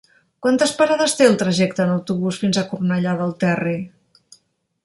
Quantes parades té el trajecte en autobús fins a Cornellà del Terri?